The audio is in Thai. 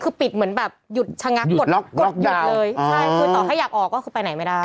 คือปิดเหมือนแบบหยุดชะงักกดล็อกกดหยุดเลยใช่คือต่อให้อยากออกก็คือไปไหนไม่ได้